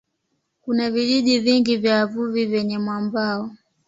Kuna vijiji vingi vya wavuvi kwenye mwambao.